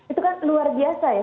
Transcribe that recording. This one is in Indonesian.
itu kan luar biasa ya